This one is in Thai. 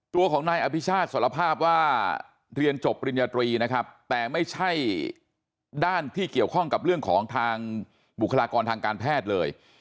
ตัวของนายอภิชาติสารภาพว่าเรียนจบปริญญาตรีนะครับแต่ไม่ใช่ด้านที่เกี่ยวข้องกับเรื่องของทางบุคลากรทางการแพทย์เลย